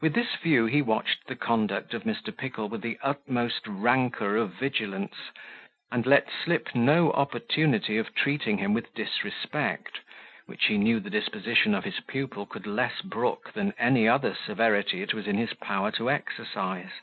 With this view he watched the conduct of Mr. Pickle with the utmost rancour of vigilance, and let slip no opportunity of treating him disrespect, which he knew the disposition of his pupil could less brook than any other severity it was in his power to exercise.